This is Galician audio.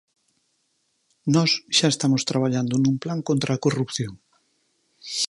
Nós xa estamos traballando nun plan contra a corrupción.